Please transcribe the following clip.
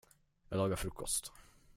Jag lagar frukost.